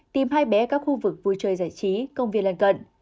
tìm hai bé các khu vực vui chơi giải trí công viên lần cận